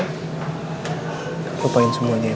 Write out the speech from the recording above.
gak apa apa gue pengen semuanya ya